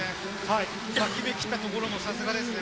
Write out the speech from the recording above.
決めきったところもさすがですね。